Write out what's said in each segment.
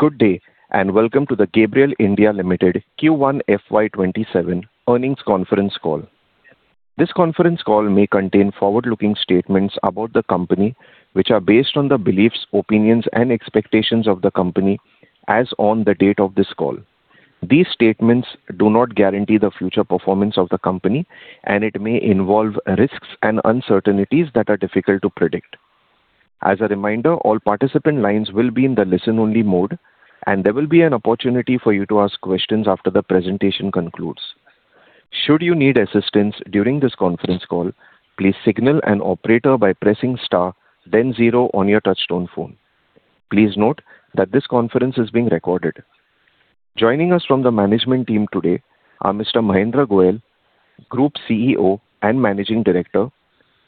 Good day. Welcome to the Gabriel India Limited Q1 FY 2027 Earnings Conference Call. This conference call may contain forward-looking statements about the company, which are based on the beliefs, opinions, and expectations of the company as on the date of this call. These statements do not guarantee the future performance of the company, and it may involve risks and uncertainties that are difficult to predict. As a reminder, all participant lines will be in the listen-only mode, and there will be an opportunity for you to ask questions after the presentation concludes. Should you need assistance during this conference call, please signal an operator by pressing star then zero on your touch-tone phone. Please note that this conference is being recorded. Joining us from the management team today are Mr. Mahendra Goyal, Group CEO and Managing Director,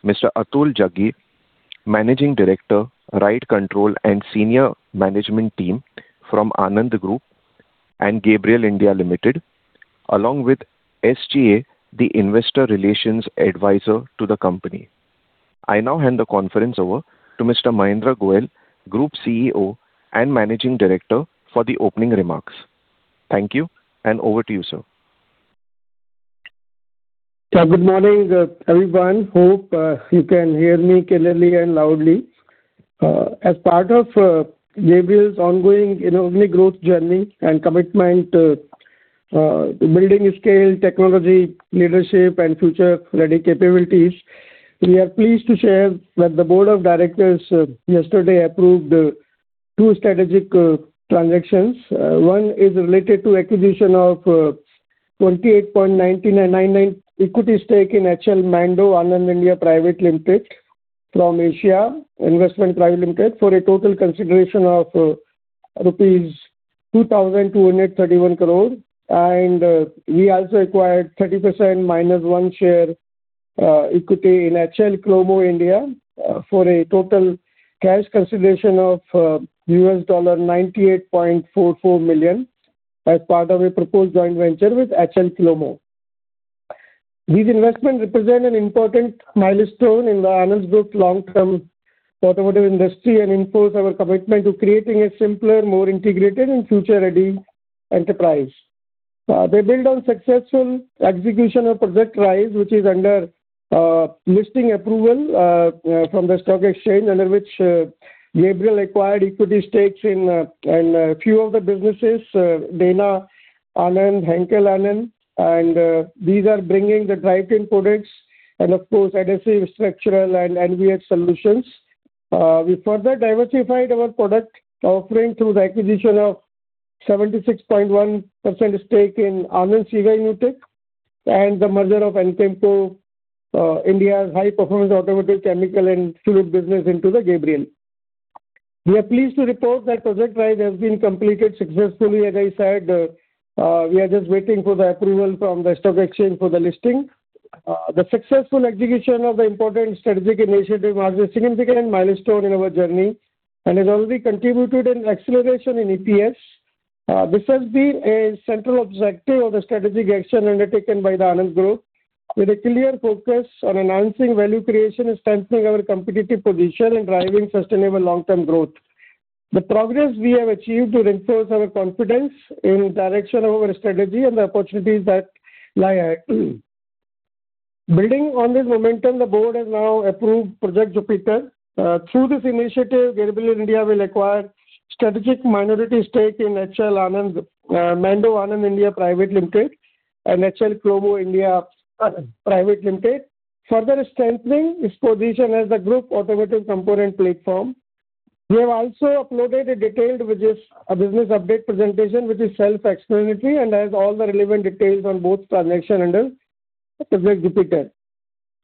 Mr. Atul Jaggi, Managing Director, Ride Control, and senior management team from ANAND Group and Gabriel India Limited, along with SGA, the Investor Relations Advisor to the company. I now hand the conference over to Mr. Mahendra Goyal, Group CEO and Managing Director, for the opening remarks. Thank you. Over to you, sir. Good morning, everyone. Hope you can hear me clearly and loudly. As part of Gabriel's ongoing organic growth journey and commitment to building scale, technology, leadership, and future-ready capabilities, we are pleased to share that the Board of Directors yesterday approved two strategic transactions. One is related to acquisition of 28.99% equity stake in HL Mando ANAND India Private Limited from Asia Investments Private Limited for a total consideration of rupees 2,231 crore. We also acquired 30% minus one share equity in HL Klemove India for a total cash consideration of $98.44 million as part of a proposed joint venture with HL Klemove. These investments represent an important milestone in the ANAND Group's long-term automotive industry and reinforce our commitment to creating a simpler, more integrated, and future-ready enterprise. They build on successful execution of Project Rise, which is under listing approval from the stock exchange, under which Gabriel acquired equity stakes in a few of the businesses, Dana Anand, Henkel Anand, and these are bringing the drivetrain products and of course, adhesive structural and NVH solutions. We further diversified our product offering through the acquisition of 76.1% stake in ANAND CY Myutec and the merger of Anchemco India's high-performance automotive chemical and fluid business into the Gabriel. We are pleased to report that Project Rise has been completed successfully. As I said, we are just waiting for the approval from the stock exchange for the listing. The successful execution of the important strategic initiative marks a significant milestone in our journey and has already contributed an acceleration in EPS. This has been a central objective of the strategic action undertaken by the ANAND Group, with a clear focus on enhancing value creation and strengthening our competitive position in driving sustainable long-term growth. The progress we have achieved to reinforce our confidence in direction of our strategy and the opportunities that lie ahead. Building on this momentum, the Board has now approved Project Jupiter. Through this initiative, Gabriel India will acquire strategic minority stake in HL Mando ANAND India Private Limited and HL Klemove India Private Limited, further strengthening its position as the group automotive component platform. We have also uploaded a detailed business update presentation, which is self-explanatory and has all the relevant details on both transaction under Project Jupiter.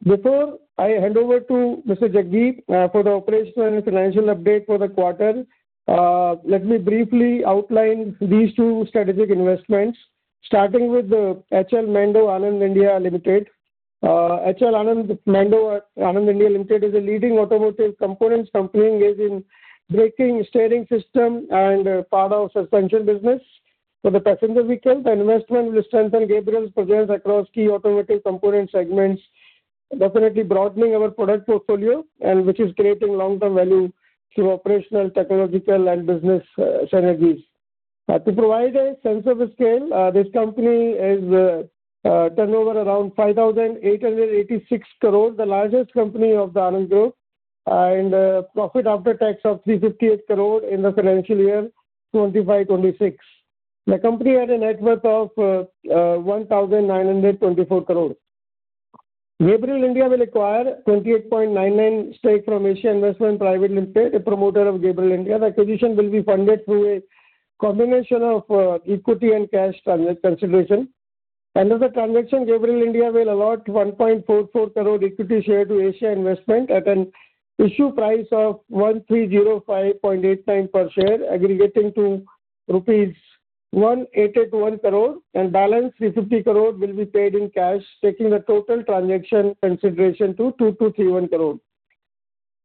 Before I hand over to Mr. Jaggi for the operational and financial update for the quarter, let me briefly outline these two strategic investments. Starting with the HL Mando ANAND India Limited. HL Mando ANAND India Limited is a leading automotive components company engaged in braking, steering system, and part of suspension business for the passenger vehicle. The investment will strengthen Gabriel's presence across key automotive component segments, definitely broadening our product portfolio, and which is creating long-term value through operational, technological, and business synergies. To provide a sense of scale, this company has turnover around 5,886 crore, the largest company of the ANAND Group, and profit after tax of 358 crore in the financial year 2025/2026. The company had a net worth of 1,924 crore. Gabriel India will acquire 28.99% stake from Asia Investments Private Limited, a promoter of Gabriel India. The acquisition will be funded through a combination of equity and cash consideration. Under the transaction, Gabriel India will allot 1.44 crore equity share to Asia Investments at an issue price of 1,305.89 per share, aggregating to rupees 1,881 crore and balance 350 crore will be paid in cash, taking the total transaction consideration to 2,231 crore.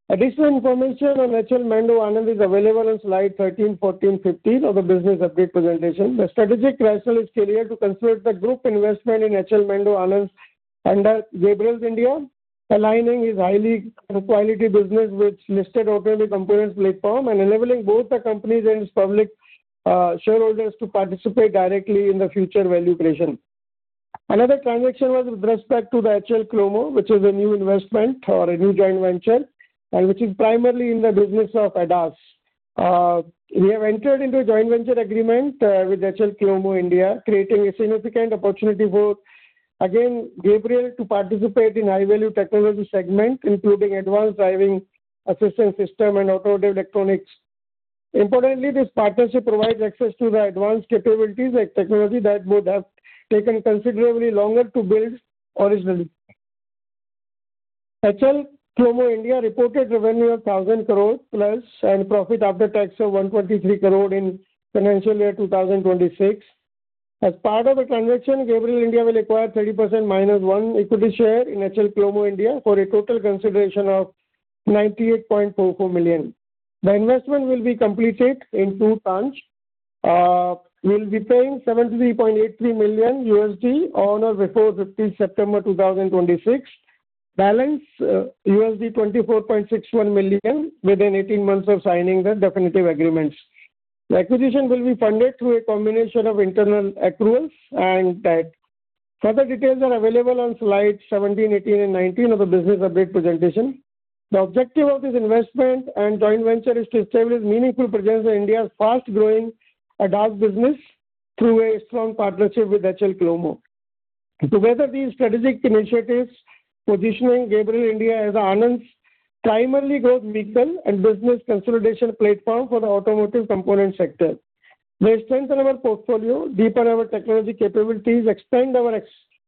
Additional information on HL Mando ANAND is available on slide 13, 14, 15 of the business update presentation. The strategic rationale is clear to consolidate the group investment in HL Mando ANAND under Gabriel India, aligning this highly quality business with listed automotive components platform and enabling both the companies and its public shareholders to participate directly in the future value creation. Another transaction was with respect to the HL Klemove, which is a new investment or a new joint venture, and which is primarily in the business of ADAS. We have entered into a joint venture agreement with HL Klemove India, creating a significant opportunity for, again, Gabriel to participate in high-value technology segment, including advanced driving assistance system and automotive electronics. Importantly, this partnership provides access to the advanced capabilities like technology that would have taken considerably longer to build originally. HL Klemove India reported revenue of 1,000 crore plus and profit after tax of 123 crore in financial year 2026. As part of the transaction, Gabriel India will acquire 30% minus one equity share in HL Klemove India for a total consideration of $98.44 million. The investment will be completed in two tranche. We'll be paying $73.83 million on or before 15 September 2026. Balance $24.61 million within 18 months of signing the definitive agreements. The acquisition will be funded through a combination of internal accruals and debt. Further details are available on slide 17, 18, and 19 of the business update presentation. The objective of this investment and joint venture is to establish meaningful presence in India's fast-growing ADAS business through a strong partnership with HL Klemove. Together, these strategic initiatives positioning Gabriel India as ANAND's primary growth vehicle and business consolidation platform for the automotive component sector. They strengthen our portfolio, deepen our technology capabilities, extend our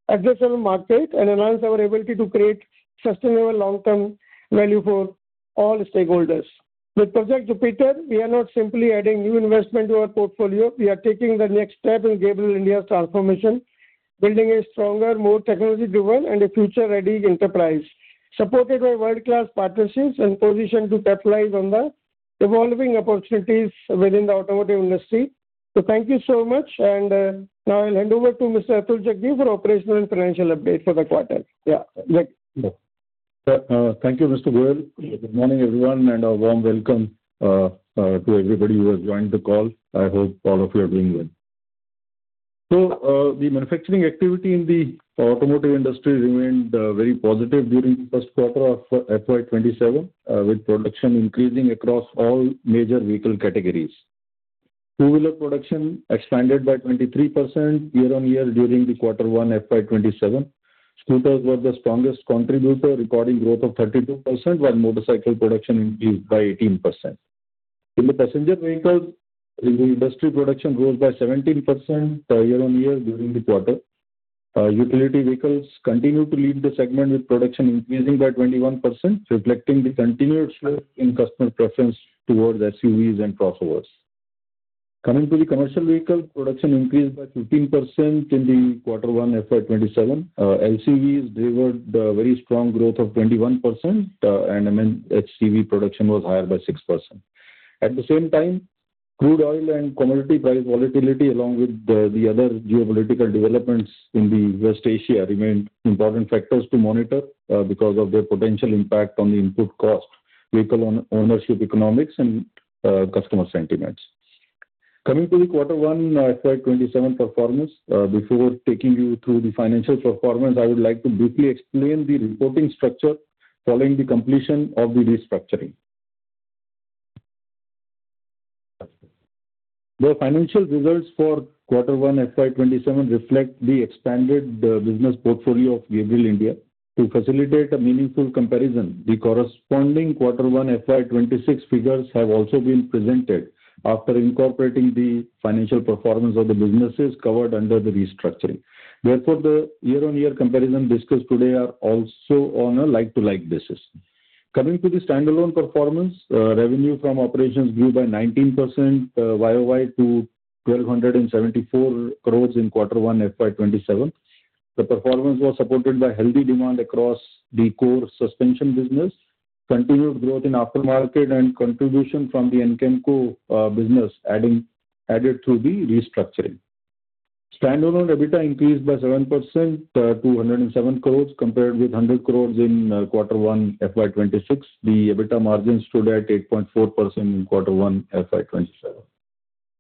addressable market, and enhance our ability to create sustainable long-term value for all stakeholders. With Project Jupiter, we are not simply adding new investment to our portfolio. We are taking the next step in Gabriel India's transformation, building a stronger, more technology-driven, and a future-ready enterprise, supported by world-class partnerships and positioned to capitalize on the evolving opportunities within the automotive industry. Thank you so much. Now I'll hand over to Mr. Atul Jaggi for operational and financial update for the quarter. Yeah, Jaggi. Thank you, Mr. Goyal. Good morning, everyone, and a warm welcome to everybody who has joined the call. I hope all of you are doing well. The manufacturing activity in the automotive industry remained very positive during the first quarter of FY 2027, with production increasing across all major vehicle categories. Two-wheeler production expanded by 23% year-on-year during the quarter one FY 2027. Scooters were the strongest contributor, recording growth of 32%, while motorcycle production increased by 18%. In the passenger vehicle, the industry production grows by 17% year-on-year during the quarter. Utility vehicles continue to lead the segment with production increasing by 21%, reflecting the continued shift in customer preference towards SUVs and crossovers. Coming to the commercial vehicle, production increased by 15% in the quarter one FY 2027. LCVs delivered a very strong growth of 21%, and HCV production was higher by 6%. At the same time, crude oil and commodity price volatility, along with the other geopolitical developments in the West Asia remained important factors to monitor because of their potential impact on the input cost, vehicle ownership economics, and customer sentiments. Coming to the quarter one FY 2027 performance. Before taking you through the financial performance, I would like to briefly explain the reporting structure following the completion of the restructuring. The financial results for quarter one FY 2027 reflect the expanded business portfolio of Gabriel India. To facilitate a meaningful comparison, the corresponding quarter one FY 2026 figures have also been presented after incorporating the financial performance of the businesses covered under the restructuring. Therefore, the year-on-year comparison discussed today are also on a like to like basis. Coming to the standalone performance, revenue from operations grew by 19% YoY to 1,274 crore in quarter one FY 2027. The performance was supported by healthy demand across the core suspension business, continued growth in aftermarket and contribution from the Anchemco business added through the restructuring. Standalone EBITDA increased by 7% to 107 crore compared with 100 crore in quarter one FY 2026. The EBITDA margin stood at 8.4% in quarter one FY 2027.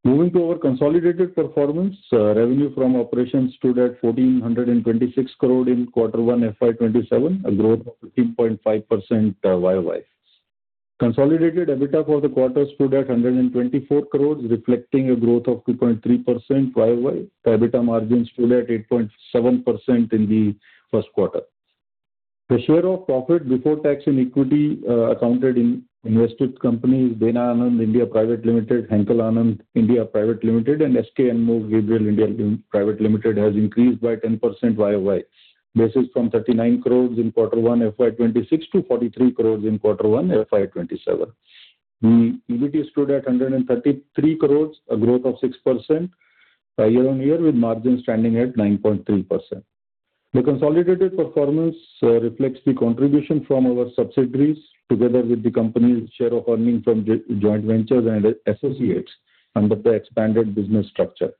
Moving to our consolidated performance, revenue from operations stood at 1,426 crore in quarter one FY 2027, a growth of 15.5% YoY. Consolidated EBITDA for the quarter stood at 124 crore, reflecting a growth of 2.3% YoY. The EBITDA margin stood at 8.7% in the first quarter. The share of profit before tax and equity accounted in invested companies, Dana ANAND India Private Limited, Henkel ANAND India Private Limited, and SK Enmove Gabriel India Private Limited has increased by 10% YoY. This is from 39 crore in quarter one FY 2026 to 43 crore in quarter one FY 2027. The EBT stood at 133 crore, a growth of 6% year-on-year with margin standing at 9.3%. The consolidated performance reflects the contribution from our subsidiaries together with the company's share of earning from joint ventures and associates under the expanded business structure.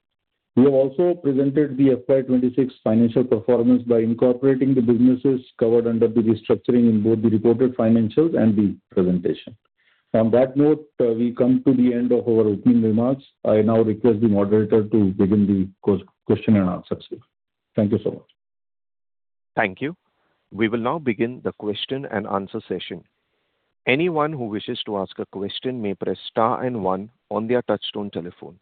We have also presented the FY 2026 financial performance by incorporating the businesses covered under the restructuring in both the reported financials and the presentation. On that note, we come to the end of our opening remarks. I now request the moderator to begin the question-and-answer session. Thank you so much. Thank you. We will now begin the question-and-answer session. Anyone who wishes to ask a question may press star and one on their touch-tone telephone.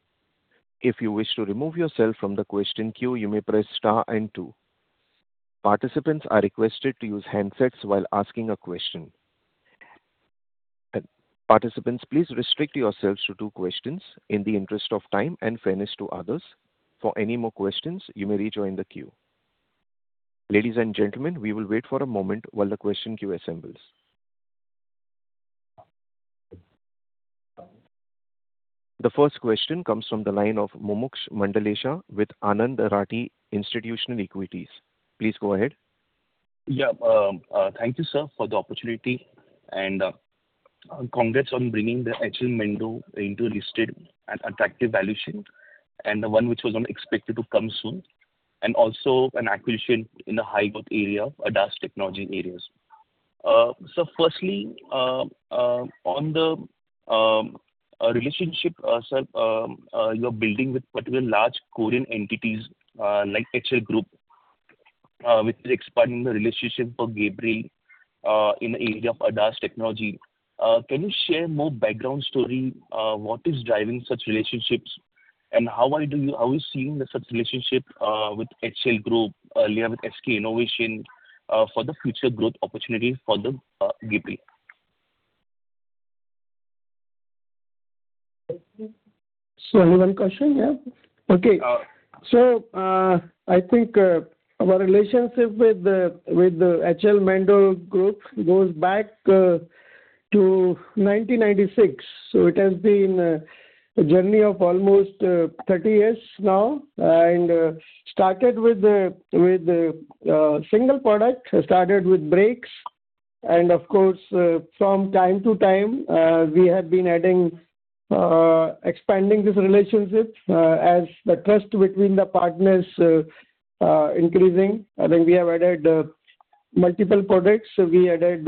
If you wish to remove yourself from the question queue, you may press star and two. Participants are requested to use handsets while asking a question. Participants, please restrict yourselves to two questions in the interest of time and fairness to others. For any more questions, you may rejoin the queue. Ladies and gentlemen, we will wait for a moment while the question queue assembles. The first question comes from the line of Mumuksh Mandlesha with Anand Rathi Institutional Equities. Please go ahead. Yeah. Thank you, sir, for the opportunity, and congrats on bringing the HL Mando into listed at attractive valuation, and the one which was expected to come soon. And also an acquisition in a high growth area, ADAS technology areas. Firstly, on the relationship, sir, you're building with particular large Korean entities, like HL Group which is expanding the relationship for Gabriel in the area of ADAS technology. Can you share more background story? What is driving such relationships, and how are you seeing such relationship with HL Group, earlier with SK Innovation, for the future growth opportunity for the Gabriel? Only one question, yeah? Okay. Yeah. I think our relationship with the HL Mando Group goes back to 1996. It has been a journey of almost 30 years now. Started with a single product, started with brakes and, of course, from time to time, we have been expanding this relationship as the trust between the partners increasing. I think we have added multiple products. We started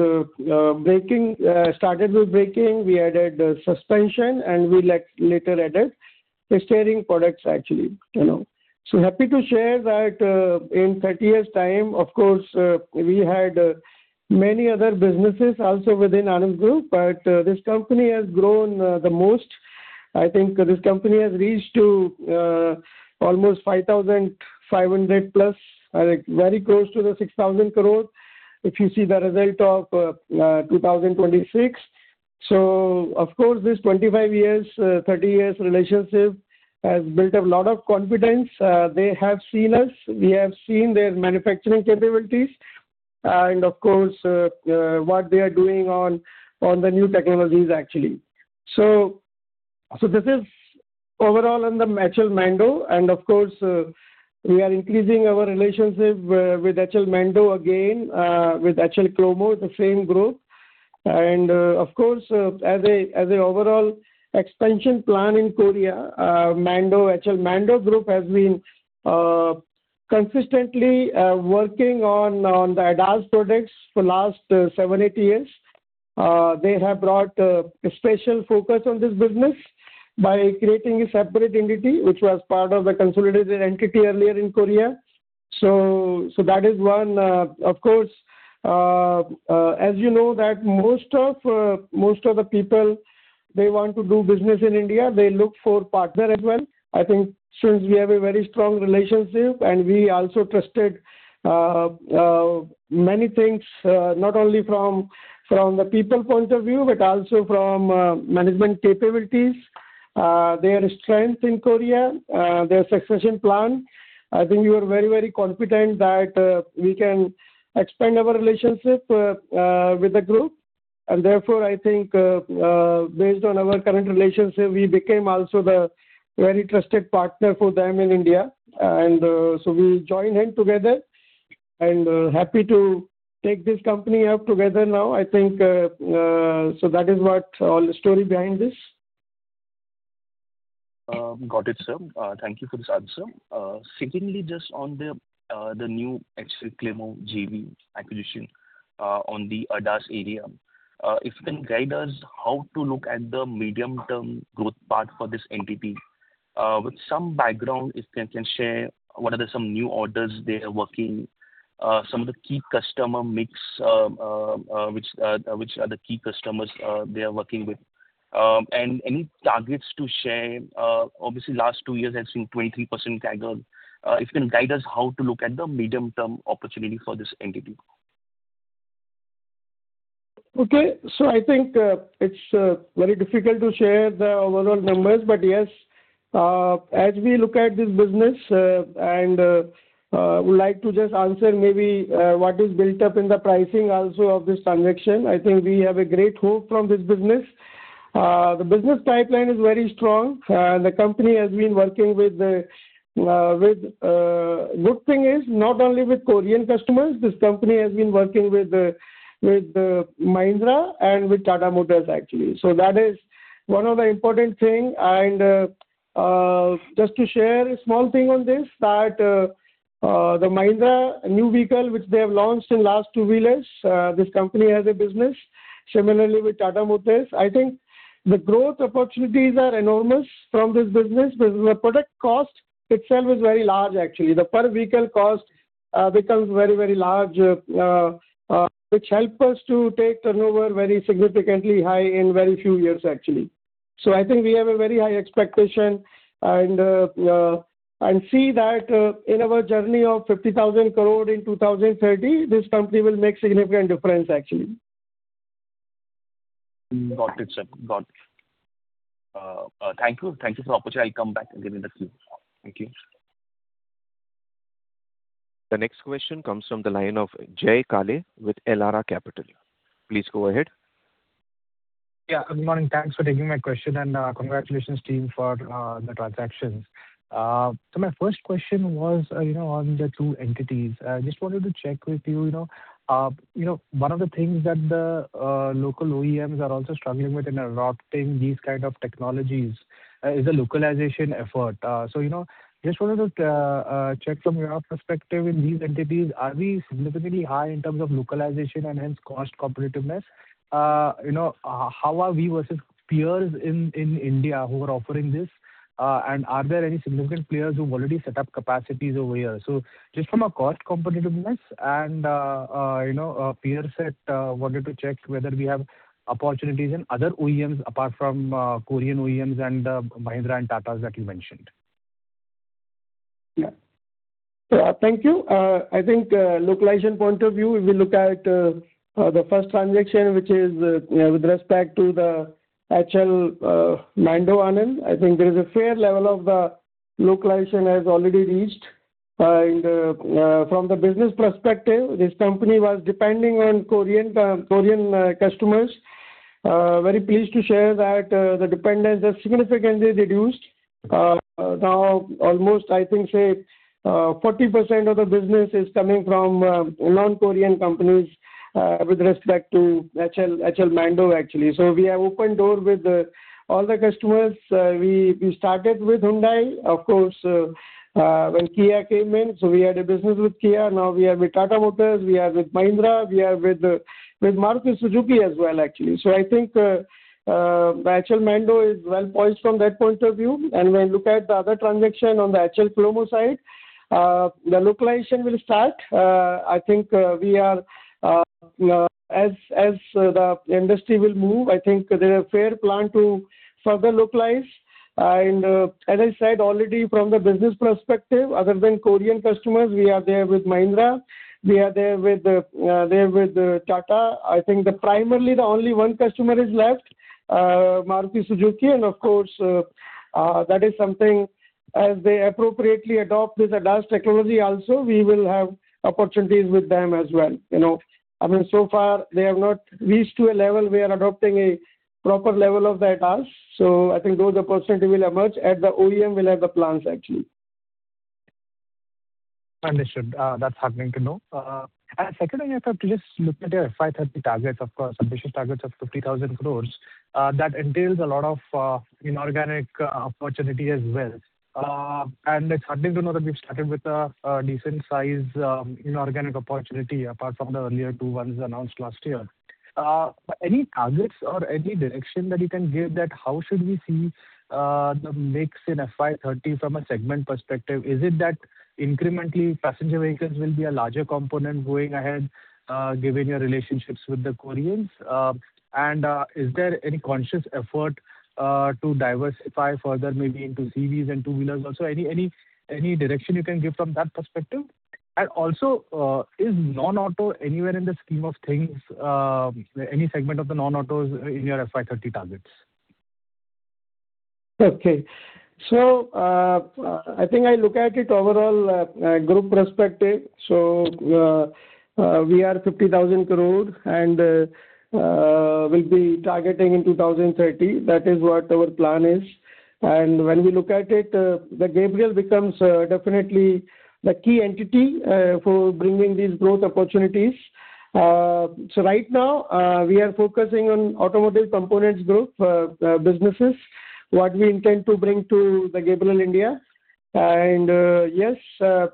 with braking, we added suspension, and we later added the steering products, actually. Happy to share that in 30 years time, of course, we had many other businesses also within ANAND Group, but this company has grown the most. I think this company has reached to almost 5,500+, very close to 6,000 crore, if you see the result of 2026. Of course, this 25 years, 30 years relationship has built a lot of confidence. They have seen us, we have seen their manufacturing capabilities and, of course, what they are doing on the new technologies, actually. This is overall on the HL Mando, and of course, we are increasing our relationship with HL Mando again, with HL Klemove, the same group. Of course, as an overall expansion plan in Korea, HL Mando Group has been consistently working on the ADAS products for last seven, eight years. They have brought a special focus on this business by creating a separate entity which was part of the consolidated entity earlier in Korea. That is one. Of course, as you know that most of the people, they want to do business in India, they look for partner as well. I think since we have a very strong relationship, and we also trusted many things, not only from the people point of view, but also from management capabilities, their strength in Korea, their succession plan. I think we are very confident that we can expand our relationship with the group and therefore, I think, based on our current relationship, we became also the very trusted partner for them in India. We'll join hand together and happy to take this company up together now. That is what all the story behind this. Got it, sir. Thank you for this answer. Secondly, on the new HL Klemove JV acquisition on the ADAS area. If you can guide us how to look at the medium-term growth part for this entity. With some background, if you can share what are the new orders they are working, some of the key customer mix, which are the key customers they are working with, and any targets to share. Obviously, last two years have seen 23% CAGR. If you can guide us how to look at the medium-term opportunity for this entity. Okay. I think it's very difficult to share the overall numbers. Yes, as we look at this business and would like to just answer maybe what is built up in the pricing also of this transaction. I think we have a great hope from this business. The business pipeline is very strong. The company has been working with Good thing is not only with Korean customers, this company has been working with Mahindra and with Tata Motors, actually. That is one of the important thing. Just to share a small thing on this that The Mahindra new vehicle which they have launched in last two wheelers, this company has a business similarly with Tata Motors. I think the growth opportunities are enormous from this business because the product cost itself is very large, actually. The per vehicle cost becomes very large, which help us to take turnover very significantly high in very few years, actually. I think we have a very high expectation and see that in our journey of 50,000 crore in 2030, this company will make significant difference, actually. Got it, sir. Got it. Thank you. Thank you for the opportunity. I'll come back again in the queue. Thank you. The next question comes from the line of Jay Kale with Elara Capital. Please go ahead. Yeah. Good morning. Thanks for taking my question, and congratulations, team, for the transactions. My first question was on the two entities. Just wanted to check with you, one of the things that the local OEMs are also struggling with in adopting these kind of technologies is a localization effort. Just wanted to check from your perspective in these entities, are we significantly high in terms of localization and hence cost competitiveness? How are we versus peers in India who are offering this? Are there any significant players who've already set up capacities over here? Just from a cost competitiveness and peer set, wanted to check whether we have opportunities in other OEMs apart from Korean OEMs and Mahindra and Tata that you mentioned. Yeah. Thank you. I think localization point of view, if you look at the first transaction, which is with respect to the HL Mando ANAND, I think there is a fair level of localization has already reached. From the business perspective, this company was depending on Korean customers. Very pleased to share that the dependence has significantly reduced. Now, almost, I think, say, 40% of the business is coming from non-Korean companies with respect to HL Mando, actually. We have opened door with all the customers. We started with Hyundai. Of course, when Kia came in, we had a business with Kia. Now we are with Tata Motors, we are with Mahindra, we are with Maruti Suzuki as well, actually. I think HL Mando is well-poised from that point of view. When you look at the other transaction on the HL Klemove side, the localization will start. As the industry will move, I think there's a fair plan to further localize. As I said already, from the business perspective, other than Korean customers, we are there with Mahindra, we are there with Tata. I think that primarily the only one customer is left, Maruti Suzuki, and of course, that is something as they appropriately adopt this advanced technology also, we will have opportunities with them as well. Far they have not reached to a level where adopting a proper level of the advanced. I think those opportunity will emerge as the OEM will have the plans, actually. Understood. That's heartening to know. Secondly, I thought just looking at your FY 2030 targets, of course, ambitious targets of 50,000 crore, that entails a lot of inorganic opportunity as well. It's heartening to know that we've started with a decent size inorganic opportunity apart from the earlier two ones announced last year. Any targets or any direction that you can give that how should we see the mix in FY 2030 from a segment perspective? Is it that incrementally passenger vehicles will be a larger component going ahead given your relationships with the Koreans? Is there any conscious effort to diversify further, maybe into EVs and two-wheelers also? Any direction you can give from that perspective? Also, is non-auto anywhere in the scheme of things, any segment of the non-autos in your FY 2030 targets? Okay. I think I look at it overall group perspective. We are 50,000 crore, and we'll be targeting in 2030. That is what our plan is. When we look at it, Gabriel becomes definitely the key entity for bringing these growth opportunities. Right now, we are focusing on automotive components group businesses, what we intend to bring to Gabriel India. Yes,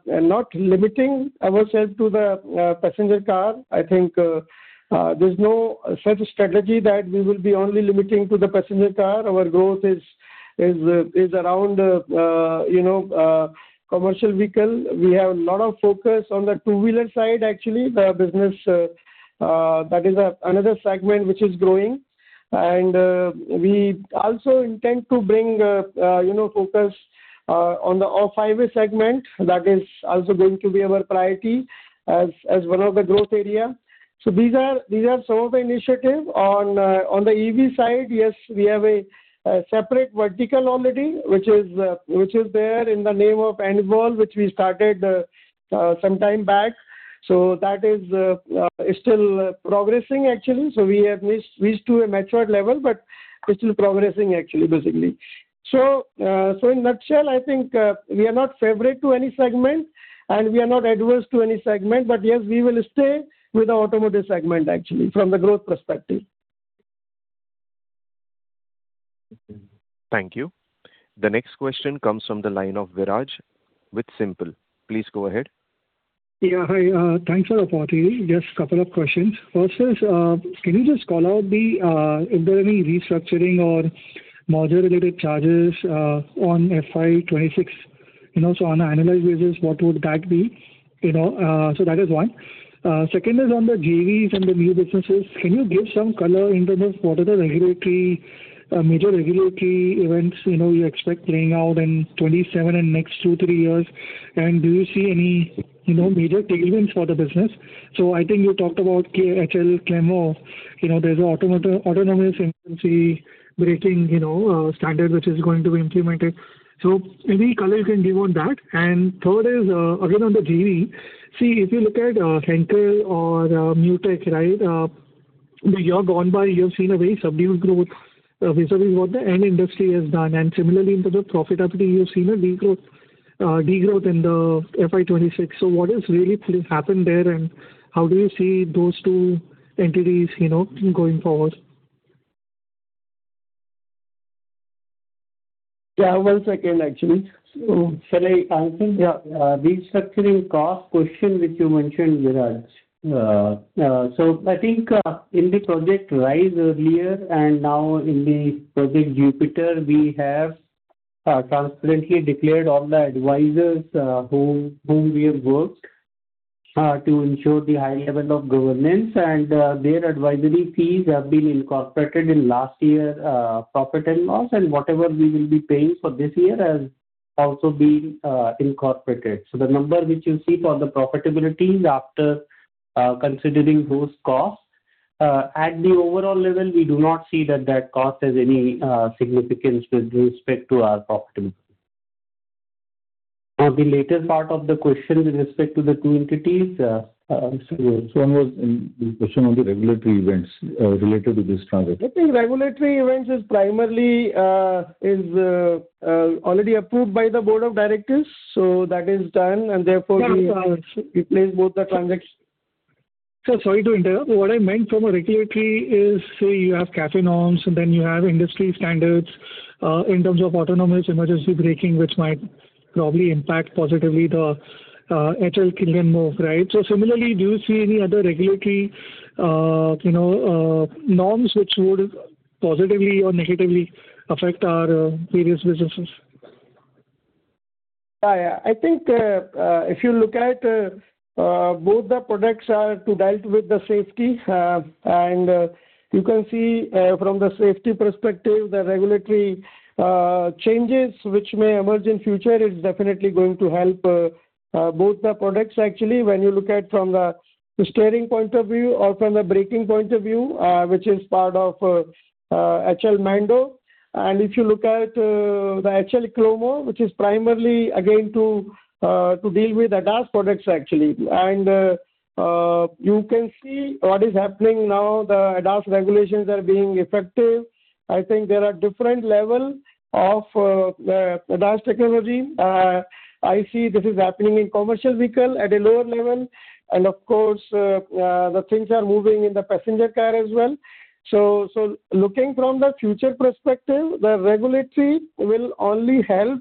not limiting ourselves to the passenger car. I think there's no such strategy that we will be only limiting to the passenger car. Our growth is around commercial vehicle. We have a lot of focus on the two-wheeler side, actually, the business. That is another segment which is growing. We also intend to bring focus on the off-highway segment. That is also going to be our priority as one of the growth area. These are some of the initiatives. On the EV side, yes, we have a separate vertical already, which is there in the name of ANEVOL, which we started some time back. That is still progressing, actually. We have reached to a matured level, but we're still progressing, actually, basically. In a nutshell, I think we are not favorite to any segment, and we are not adverse to any segment. Yes, we will stay with the automotive segment, actually, from the growth perspective. Thank you. The next question comes from the line of Viraj with SiMPL. Please go ahead. Yeah. Hi. Thanks for the opportunity. Just a couple of questions. First is, can you just call out if there are any restructuring or module related charges on FY 2026? On an analyzed basis, what would that be? That is one. Second is on the JVs and the new businesses. Can you give some color in terms of what are the major regulatory events you expect playing out in 2027 and next two, three years, and do you see any major tailwinds for the business? I think you talked about HL Klemove. There's an autonomous emergency braking standard which is going to be implemented. Any color you can give on that. Third is, again, on the JV. See, if you look at Henkel or Myutec. [inaudible] you have seen a very subdued growth vis-a-vis what the end industry has done, and similarly in terms of profitability, you've seen a degrowth in the FY 2026. What has really happened there, and how do you see those two entities going forward? Yeah. One second, actually. Shall I answer? Yeah. The restructuring cost question which you mentioned, Viraj. I think in the Project Rise earlier and now in the Project Jupiter, we have transparently declared all the advisors whom we have worked to ensure the high level of governance, and their advisory fees have been incorporated in last year profit and loss, and whatever we will be paying for this year has also been incorporated. The number which you see for the profitability is after considering those costs. At the overall level, we do not see that that cost has any significance with respect to our profitability. The latter part of the question with respect to the two entities. One was the question on the regulatory events related to this transaction. I think regulatory events is primarily already approved by the Board of Directors. That is done. Therefore, we place both the transactions. Sir, sorry to interrupt. What I meant from a regulatory is, say you have CAFE norms, then you have industry standards in terms of autonomous emergency braking, which might probably impact positively the HL Klemove, right? Similarly, do you see any other regulatory norms which would positively or negatively affect our various businesses? I think if you look at both the products are to deal with the safety. You can see from the safety perspective, the regulatory changes which may emerge in future is definitely going to help both the products actually, when you look at from the steering point of view or from the braking point of view, which is part of HL Mando. If you look at the HL Klemove, which is primarily, again, to deal with ADAS products, actually. You can see what is happening now, the ADAS regulations are being effective. I think there are different level of the ADAS technology. I see this is happening in commercial vehicle at a lower level. Of course, the things are moving in the passenger car as well. Looking from the future perspective, the regulatory will only help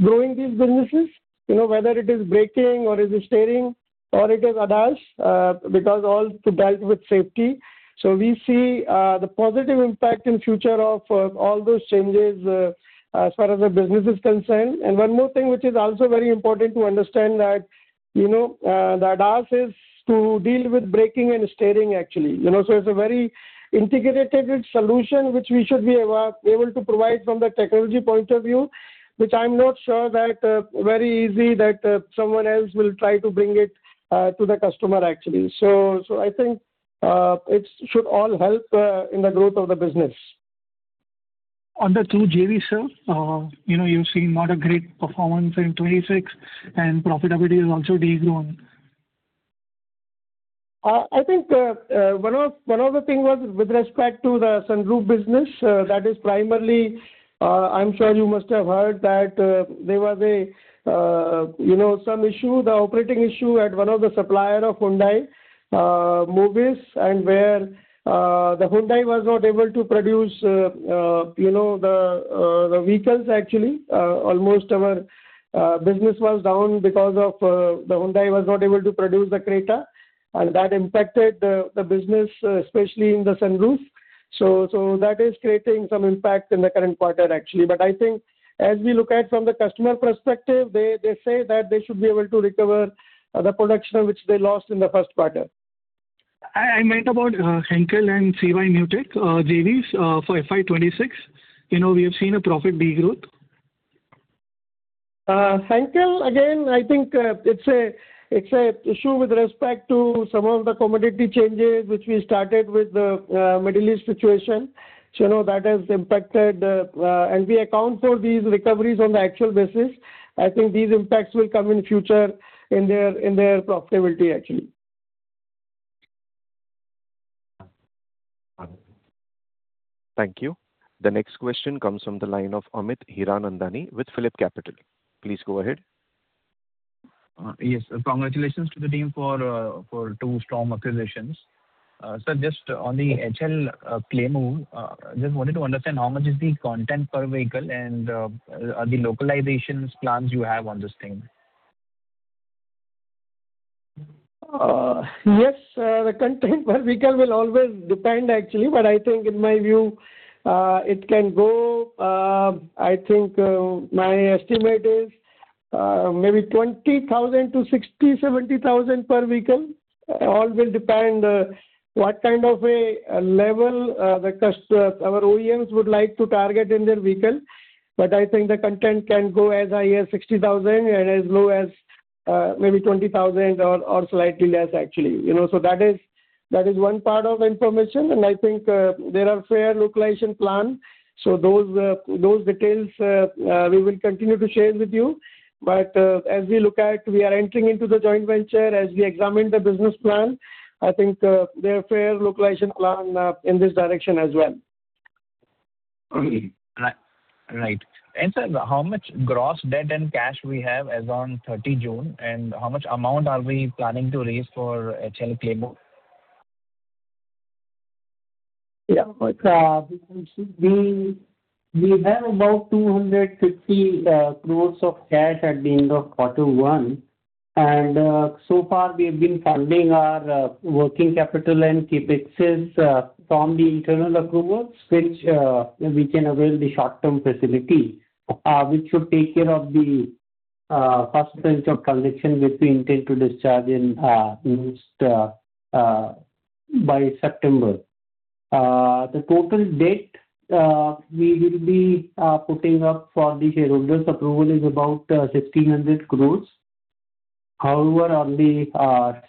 growing these businesses, whether it is braking or it is steering, or it is ADAS, because all deal with safety. We see the positive impact in future of all those changes as far as the business is concerned. One more thing which is also very important to understand that ADAS is to deal with braking and steering, actually. It's a very integrated solution which we should be able to provide from the technology point of view, which I'm not sure that very easy that someone else will try to bring it to the customer, actually. I think it should all help in the growth of the business. On the two JVs, sir, you've seen not a great performance in 2026, profitability has also degrown. I think one of the thing was with respect to the sunroof business. That is primarily, I'm sure you must have heard that there was some issue, the operating issue at one of the supplier of Hyundai Mobis, where the Hyundai was not able to produce the vehicles, actually. Almost our business was down because of the Hyundai was not able to produce the Creta, that impacted the business, especially in the sunroof. That is creating some impact in the current quarter, actually. I think as we look at from the customer perspective, they say that they should be able to recover the production which they lost in the first quarter. I meant about Henkel and CY Myutec JVs for FY 2026. We have seen a profit degrowth. Henkel, again, I think it's an issue with respect to some of the commodity changes which we started with the Middle East situation. That has impacted. We account for these recoveries on the actual basis. I think these impacts will come in future in their profitability, actually. Thank you. The next question comes from the line of Amit Hiranandani with PhillipCapital. Please go ahead. Yes. Congratulations to the team for two strong acquisitions. Sir, just on the HL Klemove, just wanted to understand how much is the content per vehicle and the localization plans you have on this thing. Yes, the content per vehicle will always depend actually, but I think in my view, I think my estimate is maybe 20,000-60,000, 70,000 per vehicle. All will depend what kind of a level our OEMs would like to target in their vehicle. I think the content can go as high as 60,000 and as low as maybe 20,000 or slightly less actually. That is one part of information, I think there are fair localization plan. Those details we will continue to share with you. As we look at, we are entering into the joint venture, as we examine the business plan, I think there are fair localization plan in this direction as well. Right. And sir, how much gross debt and cash we have as on 30 June, and how much amount are we planning to raise for HL Klemove? Yeah. We have about 250 crore of cash at the end of quarter one, and so far we have been funding our working capital and CapEx from the internal accruals, which we can avail the short-term facility, which should take care of the first tranche of collection, which we intend to discharge by September. The total debt we will be putting up for the shareholders' approval is about 1,500 crore. However, on the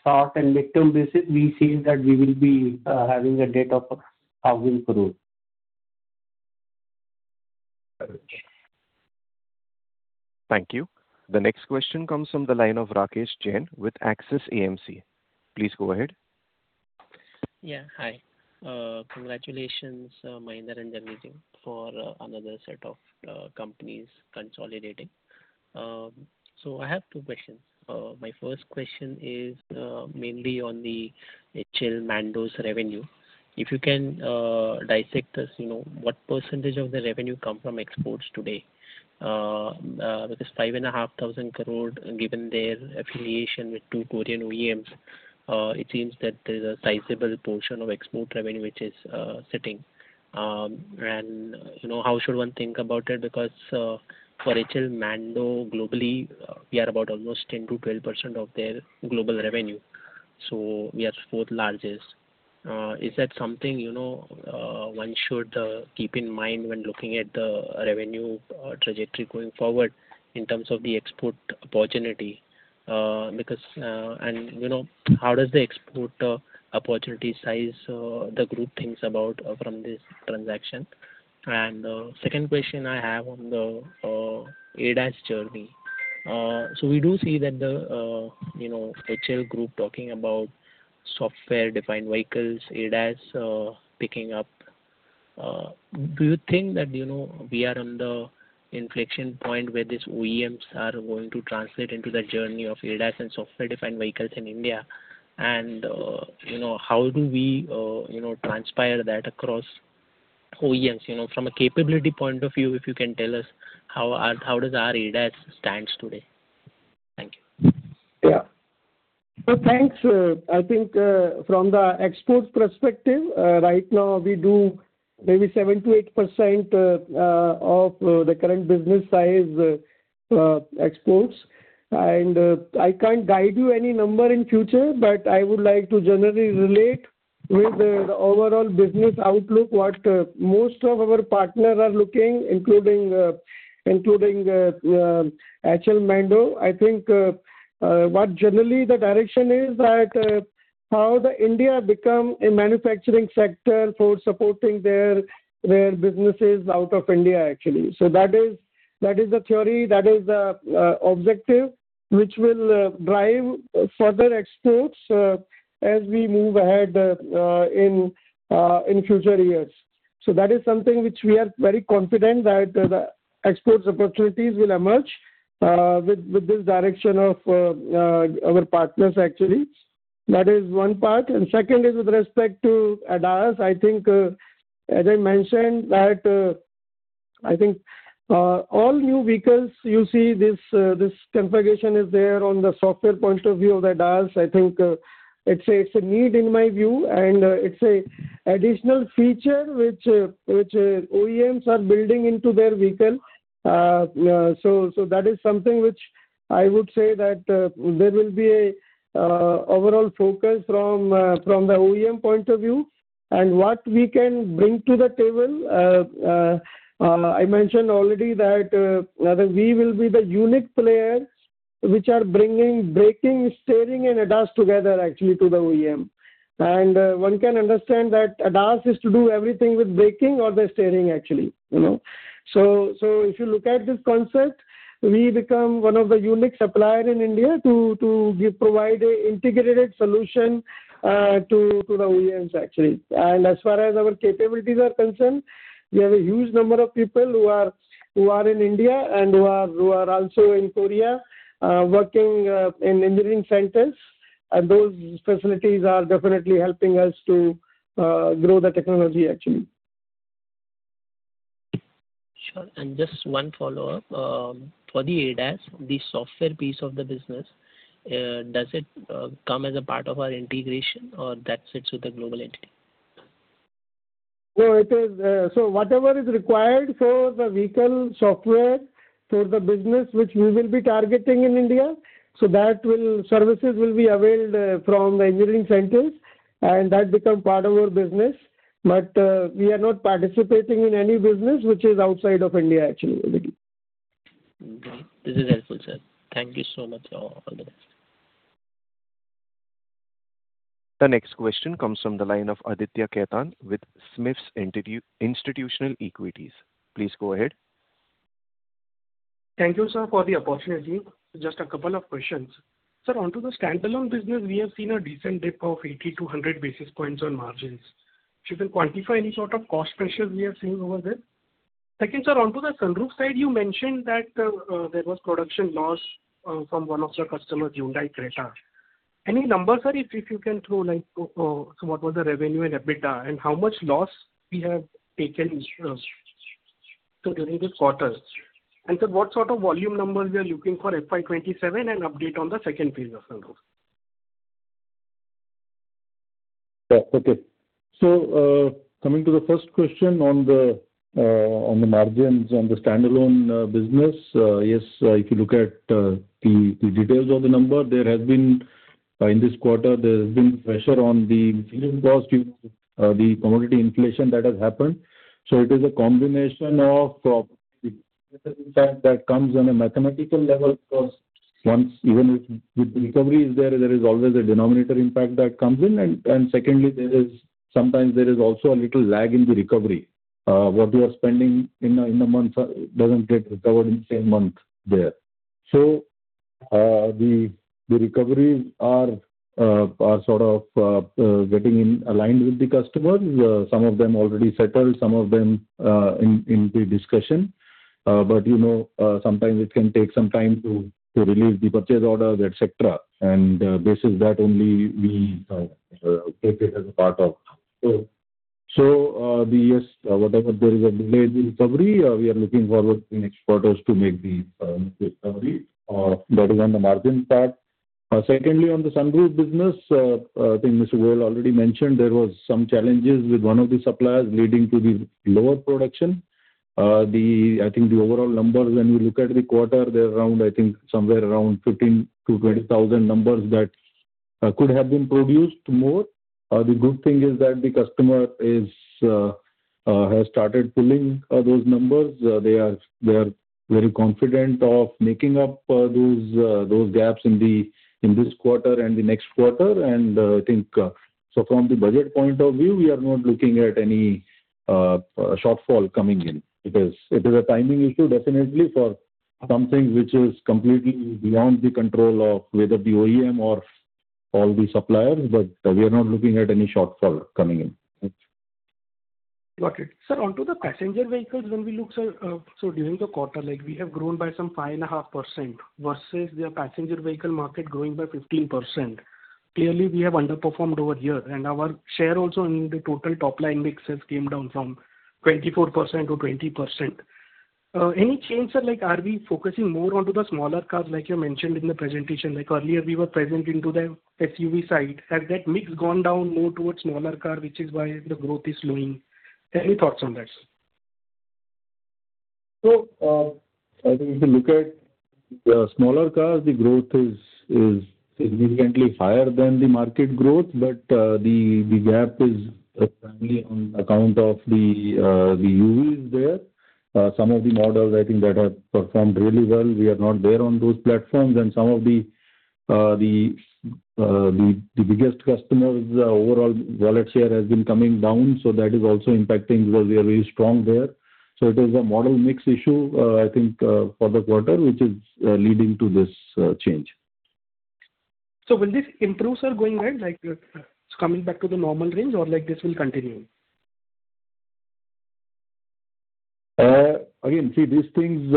stock and debt term basis, we feel that we will be having a debt of INR 1,000 crore. Okay. Thank you. The next question comes from the line of Rakesh Jain with Axis AMC. Please go ahead. Yeah, hi. Congratulations, [inaudible] for another set of companies consolidating. I have two questions. My first question is mainly on the HL Mando's revenue. If you can dissect this, what percentage of the revenue come from exports today? With this 5,500 crore, given their affiliation with two Korean OEMs, it seems that there's a sizable portion of export revenue which is sitting. How should one think about it? Because for HL Mando, globally, we are about almost 10%-12% of their global revenue. We are fourth largest. Is that something one should keep in mind when looking at the revenue trajectory going forward in terms of the export opportunity? How does the export opportunity size the group thinks about from this transaction? Second question I have on the ADAS journey. We do see that the HL Group talking about software-defined vehicles, ADAS picking up. Do you think that we are on the inflection point where these OEMs are going to translate into the journey of ADAS and software-defined vehicles in India? How do we transpire that across OEMs? From a capability point of view, if you can tell us how does our ADAS stand today. Thank you. Thanks. I think from the export perspective, right now we do maybe 7%-8% of the current business size exports. I can't guide you any number in future, but I would like to generally relate with the overall business outlook, what most of our partners are looking, including HL Mando. I think what generally the direction is that how India become a manufacturing sector for supporting their businesses out of India actually. That is the theory, that is the objective which will drive further exports as we move ahead in future years. That is something which we are very confident that the exports opportunities will emerge with this direction of our partners actually. That is one part. Second is with respect to ADAS, I think, as I mentioned that, I think all new vehicles you see this configuration is there on the software point of view of ADAS. I think it's a need in my view, and it's an additional feature which OEMs are building into their vehicle. That is something which I would say that there will be a overall focus from the OEM point of view. What we can bring to the table, I mentioned already that we will be the unique players which are bringing braking, steering, and ADAS together actually to the OEM. One can understand that ADAS is to do everything with braking or the steering actually. If you look at this concept, we become one of the unique supplier in India to provide a integrated solution to the OEMs actually. As far as our capabilities are concerned, we have a huge number of people who are in India and who are also in Korea, working in engineering centers. Those facilities are definitely helping us to grow the technology, actually. Sure. Just one follow-up. For the ADAS, the software piece of the business, does it come as a part of our integration or that sits with the global entity? Whatever is required for the vehicle software for the business which we will be targeting in India, so that services will be availed from the engineering centers, and that become part of our business. We are not participating in any business which is outside of India, actually. This is helpful, sir. Thank you so much. All the best. The next question comes from the line of Aditya Khetan with SMIFS Institutional Equities. Please go ahead. Thank you, sir, for the opportunity. Just a couple of questions. Sir, onto the standalone business, we have seen a decent dip of 80-100 basis points on margins. If you can quantify any sort of cost pressures we are seeing over there. Second, sir, onto the sunroof side, you mentioned that there was production loss from one of your customers, Hyundai Creta. Any numbers, sir, if you can throw light, what was the revenue and EBITDA, and how much loss we have taken, sir, during this quarter? What sort of volume numbers we are looking for FY 2027 and update on the second phase of sunroof. Yeah. Okay. Coming to the first question on the margins on the standalone business. Yes, if you look at the details of the number, in this quarter, there has been pressure on the material cost due to the commodity inflation that has happened. It is a combination of impact that comes on a mathematical level, because even if the recovery is there is always a denominator impact that comes in. Secondly, sometimes there is also a little lag in the recovery. What we are spending in a month doesn't get recovered in the same month there. The recoveries are sort of getting aligned with the customer. Some of them already settled, some of them in the discussion. Sometimes it can take some time to release the purchase orders, et cetera. This is that only we take it as a part of. Yes, whatever, there is a delay in recovery. We are looking forward in next quarters to make the recovery. That is on the margin part. Secondly, on the sunroof business, I think Mr. Goyal already mentioned there was some challenges with one of the suppliers leading to the lower production. I think the overall numbers, when you look at the quarter, they are around, I think, somewhere around [15,000-20,000 unit] numbers that could have been produced more. The good thing is that the customer has started pulling those numbers. They are very confident of making up those gaps in this quarter and the next quarter. From the budget point of view, we are not looking at any shortfall coming in. It is a timing issue, definitely, for something which is completely beyond the control of whether the OEM or all the suppliers, but we are not looking at any shortfall coming in. Got it. Sir, onto the passenger vehicles, when we look, sir, during the quarter, we have grown by some 5.5% versus the passenger vehicle market growing by 15%. Clearly, we have underperformed over here, and our share also in the total top-line mix has came down from 24%-20%. Any change, sir? Are we focusing more onto the smaller cars, like you mentioned in the presentation? Earlier we were present into the SUV side. Has that mix gone down more towards smaller car, which is why the growth is slowing? Any thoughts on that, sir? I think if you look at the smaller cars, the growth is significantly higher than the market growth. The gap is primarily on account of the UVs there. Some of the models, I think, that have performed really well, we are not there on those platforms. Some of the biggest customers, overall wallet share has been coming down. That is also impacting because we are very strong there. It is a model mix issue, I think, for the quarter, which is leading to this change. Will this improve, sir, going ahead? Like it's coming back to the normal range or this will continue? See, these things,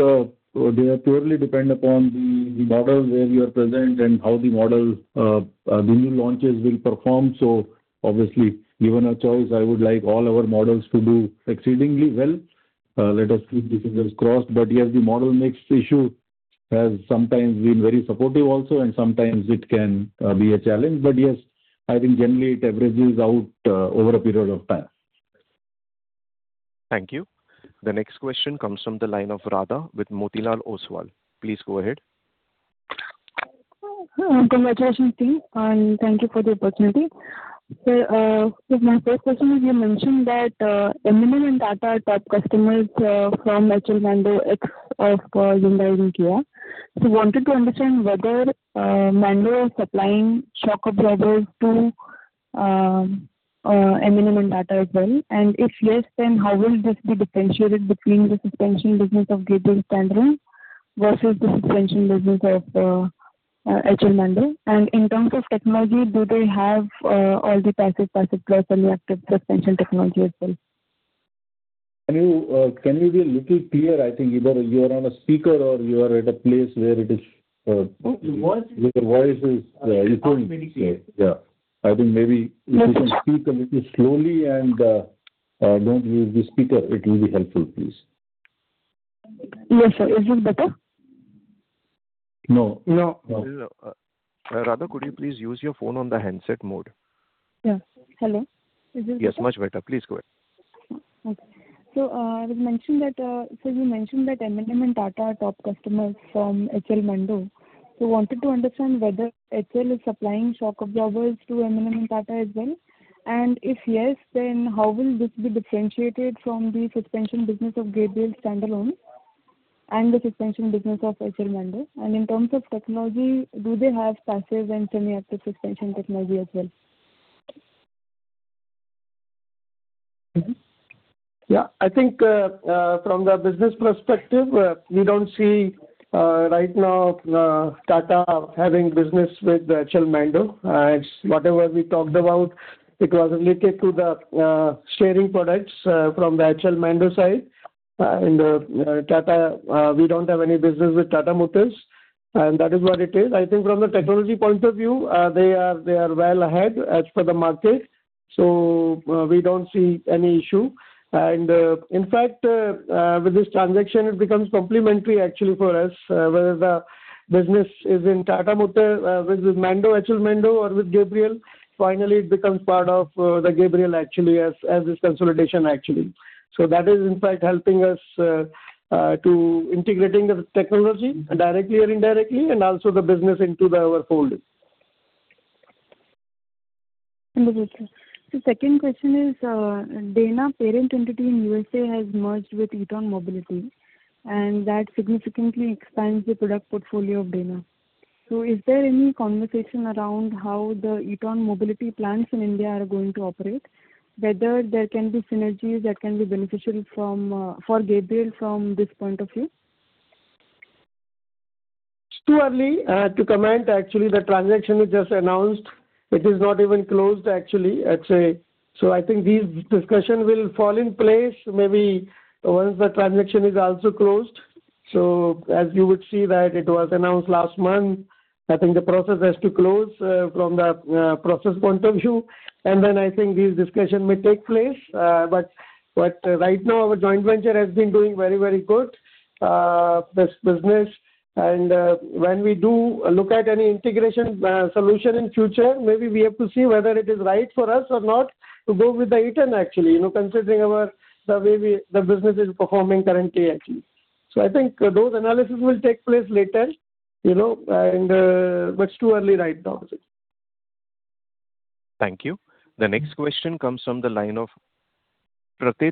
they purely depend upon the models where we are present and how the model, the new launches will perform. Obviously, given a choice, I would like all our models to do exceedingly well. Let us keep the fingers crossed. Yes, the model mix issue has sometimes been very supportive also, and sometimes it can be a challenge. Yes, I think generally it averages out over a period of time. Thank you. The next question comes from the line of Radha with Motilal Oswal. Please go ahead. Hello. Congratulations, team, and thank you for the opportunity. My first question is, you mentioned that M&M and Tata are top customers from Mando of Hyundai and Kia. wanted to understand whether Mando is supplying shock absorbers to M&M and Tata as well. If yes, then how will this be differentiated between the suspension business of Gabriel India versus the suspension business of Mando? In terms of technology, do they have all the passive, active, plus semi-active suspension technology as well? Can you be a little clearer? I think either you are on a speaker or you are at a place where your voice is echoing. Yes. Yeah. I think maybe if you can speak a little slowly and don't use the speaker, it will be helpful, please. Yes, sir. Is this better? No. No. Radha, could you please use your phone on the handset mode? Yeah. Hello. Is this better? Yes, much better. Please go ahead. Okay. You mentioned that M&M and Tata are top customers from HL Mando. Wanted to understand whether HL is supplying shock absorbers to M&M and Tata as well. If yes, then how will this be differentiated from the suspension business of Gabriel standalone and the suspension business of HL Mando? In terms of technology, do they have passive and semi-active suspension technology as well? Yeah. I think from the business perspective, we don't see right now Tata having business with HL Mando. Whatever we talked about, it was related to the steering products from the HL Mando side. We don't have any business with Tata Motors, and that is what it is. I think from the technology point of view, they are well ahead as for the market, so we don't see any issue. In fact, with this transaction, it becomes complementary for us, whether the business is in Tata Motor, with Mando, HL Mando or with Gabriel, finally it becomes part of the Gabriel as this consolidation. That is in fact helping us to integrating the technology directly or indirectly and also the business into our fold. Understood, sir. Second question is, Dana parent entity in U.S.A. has merged with Eaton Mobility, and that significantly expands the product portfolio of Dana. Is there any conversation around how the Eaton Mobility plants in India are going to operate, whether there can be synergies that can be beneficial for Gabriel from this point of view? It's too early to comment. Actually, the transaction is just announced. It is not even closed, actually. I think these discussion will fall in place maybe once the transaction is also closed. As you would see that it was announced last month. I think the process has to close from the process point of view. I think these discussion may take place. Right now our joint venture has been doing very good, this business. When we do look at any integration solution in future, maybe we have to see whether it is right for us or not to go with the Eaton, considering the way the business is performing currently. I think those analysis will take place later, but it's too early right now. Thank you. The next question comes from the line of Pratik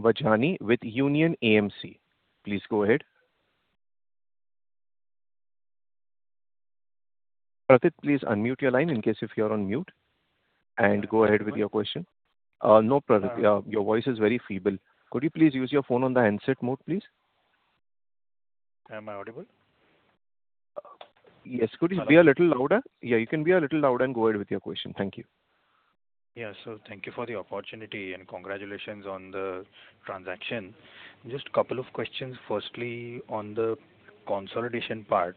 Bhayani with Union AMC. Please go ahead. Pratik, please unmute your line in case if you're on mute, and go ahead with your question. No, Pratik. Your voice is very feeble. Could you please use your phone on the handset mode, please? Am I audible? Yes. Could you be a little louder? You can be a little louder and go ahead with your question. Thank you. Yeah. Thank you for the opportunity and congratulations on the transaction. Just a couple of questions. Firstly, on the consolidation part,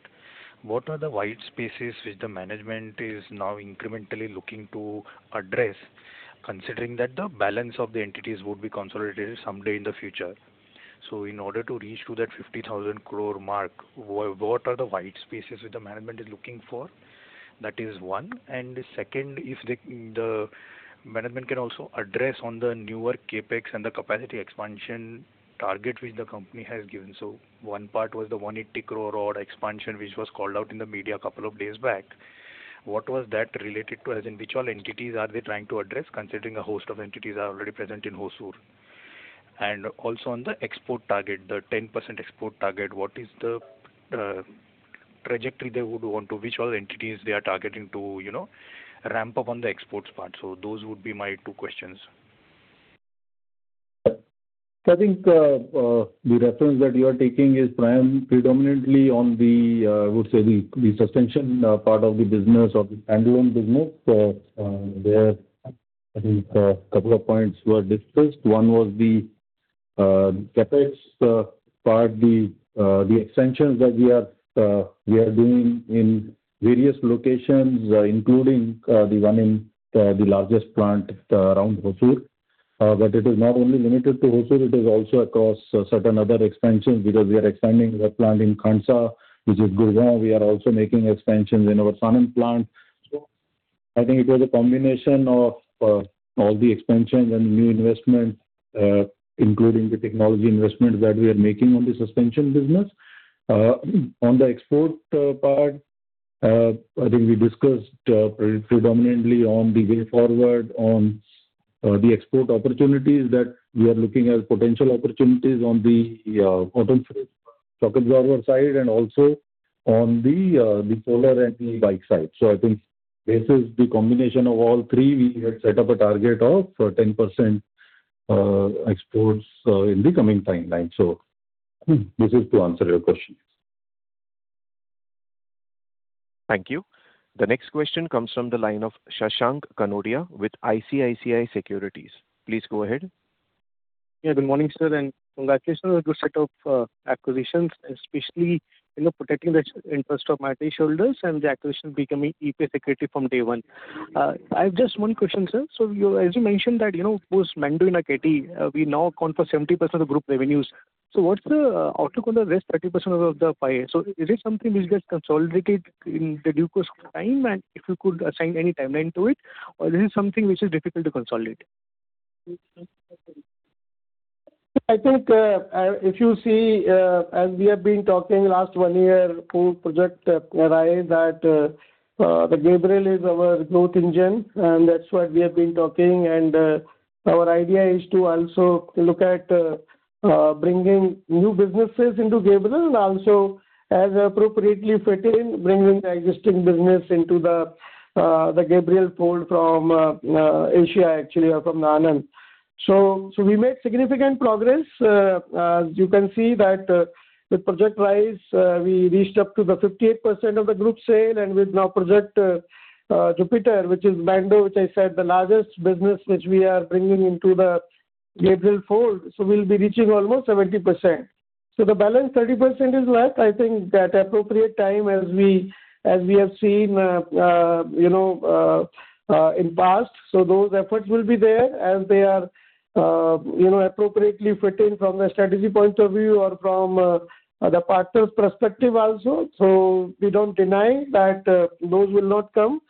what are the white spaces which the management is now incrementally looking to address, considering that the balance of the entities would be consolidated someday in the future? In order to reach to that 50,000 crore mark, what are the white spaces which the management is looking for? That is one. Second, if the management can also address on the newer CapEx and the capacity expansion target which the company has given. One part was the 180 crore order expansion which was called out in the media a couple of days back. What was that related to, as in which all entities are they trying to address, considering a host of entities are already present in Hosur? Also on the export target, the 10% export target, what is the trajectory they would want to which all entities they are targeting to ramp up on the exports part? Those would be my two questions. I think the reference that you are taking is predominantly on the, I would say, the suspension part of the business or the Mando business, where I think a couple of points were discussed. One was the CapEx part, the extensions that we are doing in various locations, including the one in the largest plant around Hosur. It is not only limited to Hosur, it is also across certain other expansions because we are expanding the plant in Khandsa, which is Gurgaon. We are also making expansions in our Sanand plant. I think it was a combination of all the expansions and new investments, including the technology investment that we are making on the suspension business. On the export part, I think we discussed predominantly on the way forward on the export opportunities that we are looking at potential opportunities on the auto shock absorber side and also on the solar and e-bike side. I think basis the combination of all three, we had set up a target of 10% exports in the coming timeline. This is to answer your question. Thank you. The next question comes from the line of Shashank Kanodia with ICICI Securities. Please go ahead. Good morning, sir, and congratulations on the good set of acquisitions, especially protecting the interest of minority shareholders and the acquisition becoming EPS accretive from day one. I have just one question, sir. As you mentioned that Mando in our [kitty], we now account for 70% of the group revenues. What's the outlook on the rest 30% of the pie? Is it something which gets consolidated in due course of time, and if you could assign any timeline to it, or this is something which is difficult to consolidate? I think if you see, as we have been talking last one year, whole Project Rise that Gabriel is our growth engine, and that's what we have been talking. Our idea is to also look at bringing new businesses into Gabriel and also as appropriately fitting, bring in the existing business into the Gabriel fold from Asia actually or from ANAND. We made significant progress. As you can see that with Project Rise, we reached up to the 58% of the group sale, and with now Project Jupiter, which is Mando, which I said the largest business which we are bringing into the Gabriel fold. We'll be reaching almost 70%. The balance 30% is left. I think that appropriate time as we have seen in past. Those efforts will be there as they are appropriately fitting from a strategy point of view or from the partner's perspective also. We don't deny that those will not come.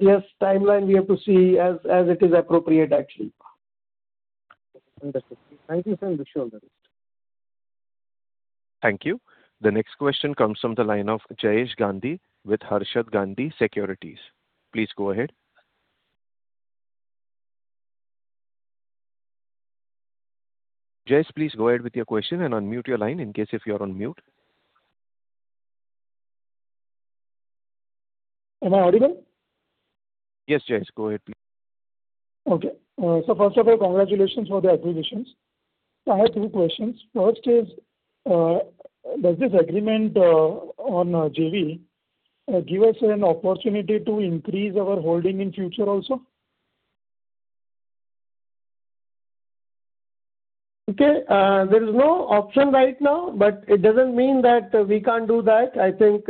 Yes, timeline we have to see as it is appropriate, actually. Understood. Thank you, sir. I'm sure of the rest. Thank you. The next question comes from the line of Jayesh Gandhi with Harshad H Gandhi Securities. Please go ahead. Jayesh, please go ahead with your question and unmute your line in case if you're on mute. Am I audible? Yes, Jayesh, go ahead please. First of all, congratulations for the acquisitions. I have two questions. First is, does this agreement on JV give us an opportunity to increase our holding in future also? Okay. There is no option right now, but it doesn't mean that we can't do that. I think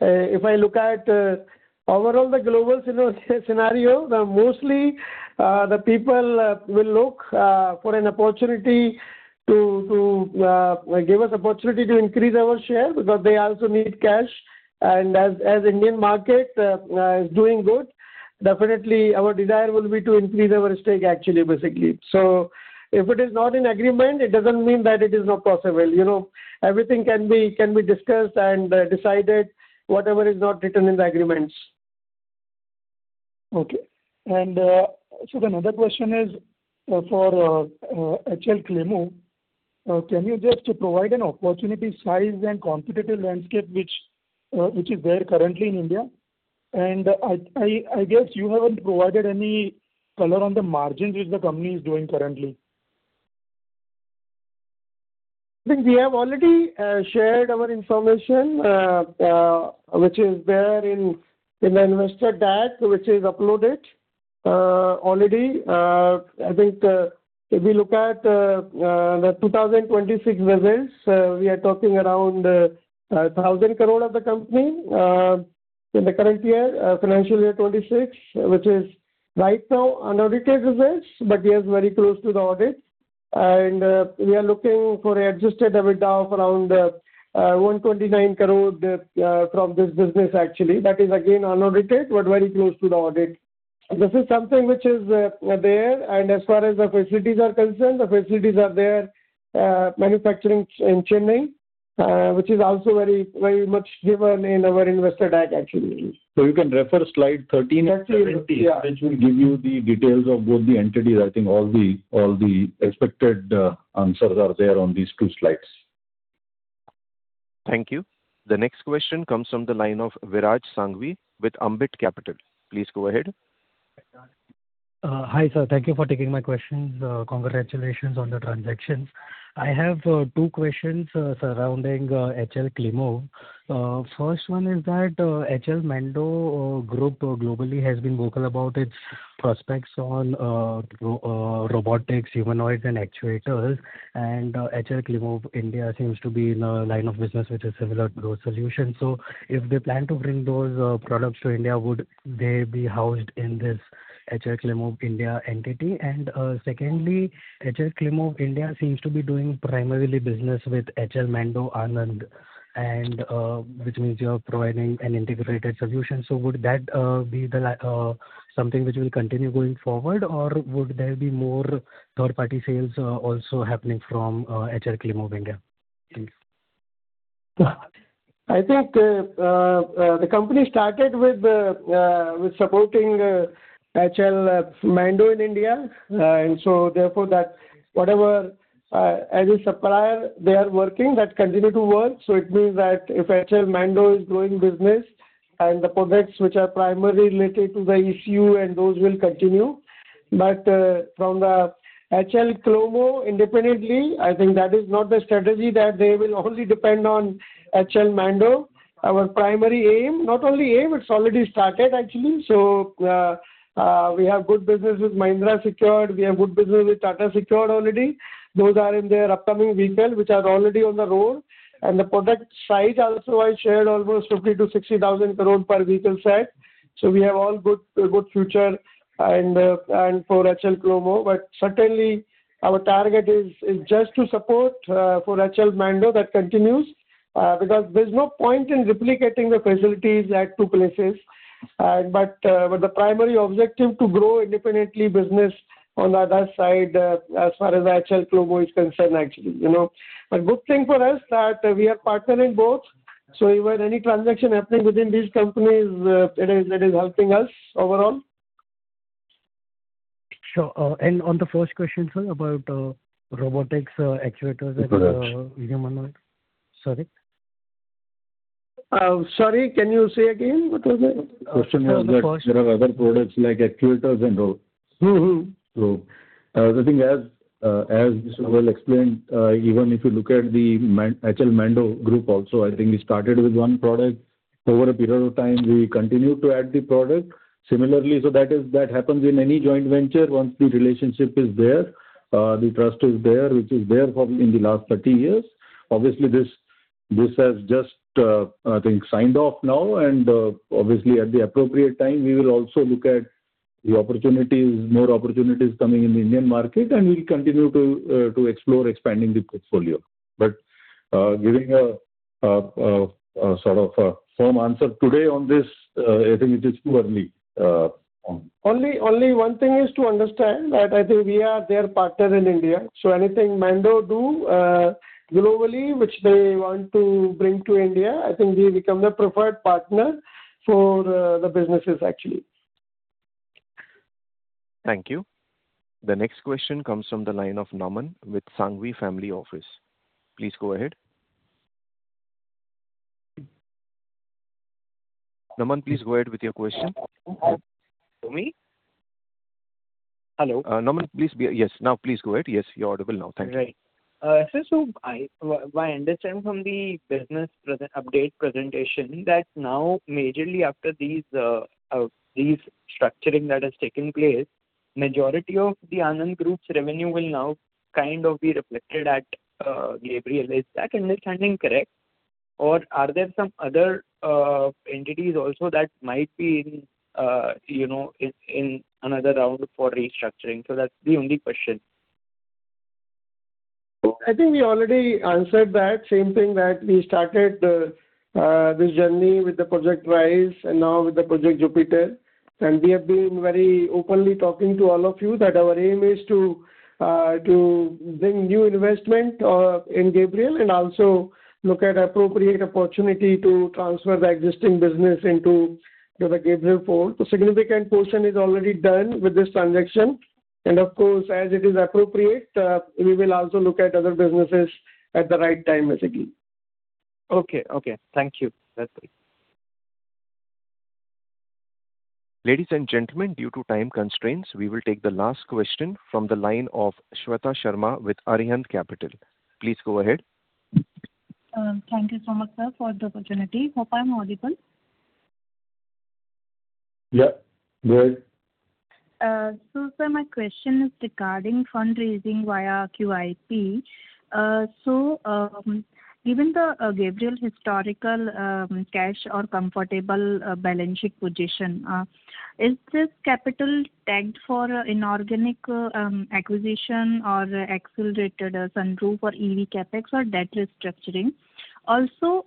if I look at overall the global scenario now mostly, the people will look for an opportunity to give us opportunity to increase our share because they also need cash. As Indian market is doing good, definitely our desire will be to increase our stake. If it is not in agreement, it doesn't mean that it is not possible. Everything can be discussed and decided whatever is not written in the agreements. Okay. Other question is for HL Klemove. Can you just provide an opportunity size and competitive landscape which is there currently in India? I guess you haven't provided any color on the margins which the company is doing currently. I think we have already shared our information which is there in the investor deck which is uploaded already. I think if we look at the 2026 results, we are talking around 1,000 crore of the company in the current year FY 2026, which is right now unaudited results, but yes, very close to the audit. We are looking for adjusted EBITDA of around 129 crore from this business. That is again unaudited, but very close to the audit. This is something which is there. As far as the facilities are concerned, the facilities are there, manufacturing in Chennai, which is also very much given in our investor deck. You can refer slide 13 and 17. 13, yeah. Which will give you the details of both the entities. I think all the expected answers are there on these two slides. Thank you. The next question comes from the line of Viraj Sanghvi with Ambit Capital. Please go ahead. Hi, sir. Thank you for taking my questions. Congratulations on the transactions. I have two questions surrounding HL Klemove. First one is that HL Mando Group globally has been vocal about its prospects on robotics, humanoids, and actuators, and HL Klemove India seems to be in a line of business which is similar to those solutions. If they plan to bring those products to India, would they be housed in this HL Klemove India entity? Secondly, HL Klemove India seems to be doing primarily business with HL Mando ANAND, which means you're providing an integrated solution. Would that be something which will continue going forward, or would there be more third-party sales also happening from HL Klemove India? Thanks. I think the company started with supporting HL Mando in India. Therefore, as a supplier they are working, that continue to work. It means that if HL Mando is growing business and the projects which are primarily related to the ECU and those will continue. From the HL Klemove independently, I think that is not the strategy that they will only depend on HL Mando. Our primary aim, not only aim, it's already started actually. We have good business with Mahindra secured, we have good business with Tata secured already. Those are in their upcoming vehicle, which are already on the road. The product size also, I shared almost [50,000 crore-60,000 crore] per vehicle set. We have all good future for HL Klemove. Certainly, our target is just to support for HL Mando that continues. There's no point in replicating the facilities at two places. The primary objective to grow independently business on the other side, as far as HL Klemove is concerned, actually. Good thing for us that we are partner in both, if there were any transaction happening within these companies, it is helping us overall. Sure. On the first question, sir, about robotics actuators and- The products. Sorry? Sorry, can you say again, what was it? For the first- Question was that there are other products like actuators and robots. I think as Mr. Goyal explained, even if you look at the HL Mando group also, I think we started with one product. Over a period of time, we continued to add the product. Similarly, that happens in any joint venture. Once the relationship is there, the trust is there, which is there from in the last 30 years. Obviously, this has just, I think, signed off now and, obviously, at the appropriate time, we will also look at the more opportunities coming in the Indian market, and we will continue to explore expanding the portfolio. Giving a sort of a firm answer today on this, I think it is too early. Only one thing is to understand that I think we are their partner in India. Anything Mando do globally, which they want to bring to India, I think we become the preferred partner for the businesses actually. Thank you. The next question comes from the line of Naman with Sanghvi Family Office. Please go ahead. Naman, please go ahead with your question. Can you hear me? Hello. Naman, yes, now please go ahead. Yes, you're audible now. Thank you. Right. Sir, my understanding from the business update presentation that now majorly after these structuring that has taken place, majority of the ANAND Group's revenue will now kind of be reflected at Gabriel. Is that understanding correct? Or are there some other entities also that might be in another round for restructuring? That's the only question. I think we already answered that. Same thing that we started this journey with the Project Rise and now with the Project Jupiter. We have been very openly talking to all of you that our aim is to bring new investment in Gabriel and also look at appropriate opportunity to transfer the existing business into the Gabriel fold. A significant portion is already done with this transaction. Of course, as it is appropriate, we will also look at other businesses at the right time as agreed. Okay. Thank you. That's it. Ladies and gentlemen, due to time constraints, we will take the last question from the line of Shweta Sharma with Arihant Capital. Please go ahead. Thank you so much, sir, for the opportunity. Hope I'm audible. Yeah. Go ahead. Sir, my question is regarding fundraising via QIP. Given the Gabriel historical cash or comfortable balance sheet position, is this capital tagged for inorganic acquisition or accelerated sunroof or EV CapEx or debt restructuring? Also,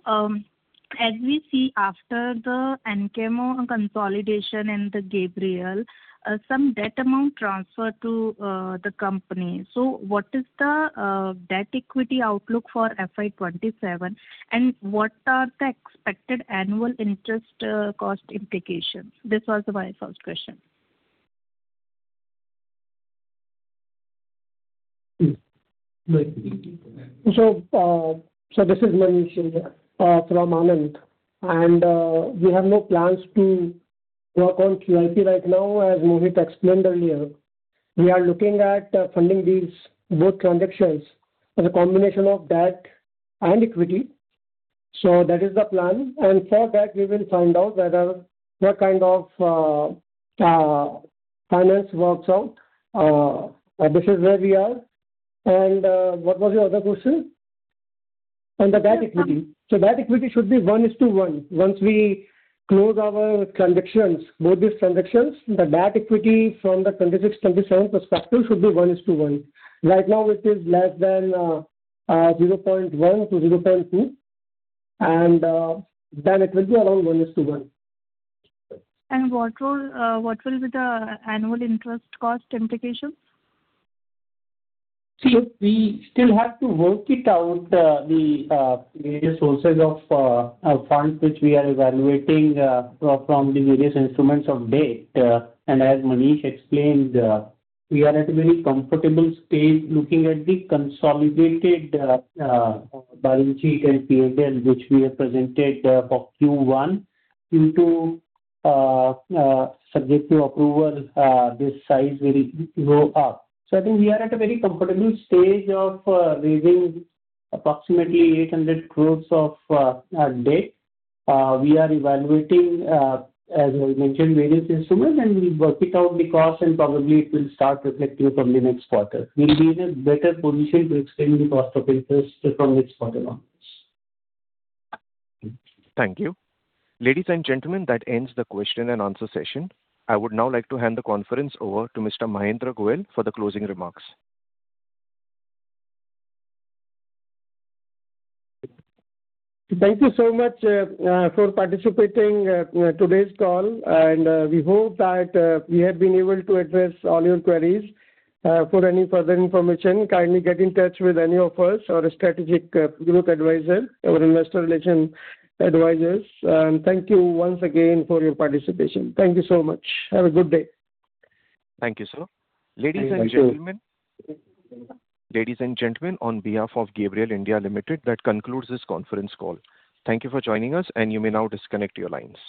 as we see after the Anchemco consolidation and the Gabriel, some debt amount transfer to the company. What is the debt equity outlook for FY 2027, and what are the expected annual interest cost implications? This was my first question. This is Manish here from ANAND. We have no plans to work on QIP right now. As Mohit explained earlier, we are looking at funding these both transactions as a combination of debt and equity. That is the plan. For that, we will find out whether what kind of finance works out. This is where we are. What was your other question? On the debt-to-equity. Debt-to-equity should be 1:1. Once we close our both these transactions, the debt-to- equity from the 2026, 2027 perspective should be 1:1. Right now, it is less than 0.1 to 0.2, then it will be around 1:1. What will be the annual interest cost implications? We still have to work it out, the various sources of funds which we are evaluating from the various instruments of debt. As Manish explained, we are at a very comfortable stage looking at the consolidated balance sheet and PNL which we have presented for Q1 2026/2027 approval this size will go up. I think we are at a very comfortable stage of raising approximately 800 crore of debt. We are evaluating, as I mentioned, various instruments, we work it out the cost and probably it will start reflecting from the next quarter. We'll be in a better position to explain the cost of interest from next quarter onwards. Thank you. Ladies and gentlemen, that ends the question-and-answer session. I would now like to hand the conference over to Mr. Mahendra Goyal for the closing remarks. Thank you so much for participating in today's call. We hope that we have been able to address all your queries. For any further information, kindly get in touch with any of us or a Strategic Growth Advisors or Investor Relation Advisors. Thank you once again for your participation. Thank you so much. Have a good day. Thank you, sir. Ladies and gentlemen Thank you. Ladies and gentlemen, on behalf of Gabriel India Limited, that concludes this conference call. Thank you for joining us. You may now disconnect your lines.